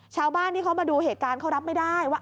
ชาวบ้านที่เขามาดูเหตุการณ์เขารับไม่ได้ว่า